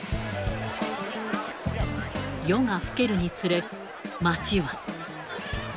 夜が更けるにつれ、街は。